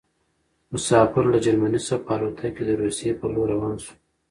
مسافر له جرمني څخه په الوتکه کې د روسيې په لور روان شو.